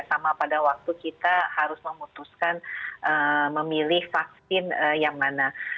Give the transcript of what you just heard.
sama pada waktu kita harus memutuskan memilih vaksin yang mana